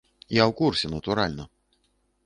Я ў курсе, натуральна.